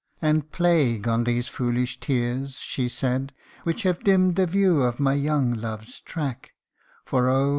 And " plague on these foolish tears," she said, " Which have dimm'd the view of my young love's track ; For oh